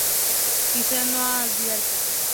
Quizá no he de olvidarte, pero te digo adiós.